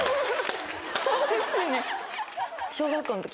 そうですね。